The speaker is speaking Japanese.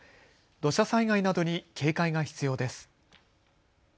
土砂災害などに警戒が必要です。